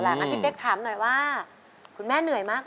แล้วน้องใบบัวร้องได้หรือว่าร้องผิดครับ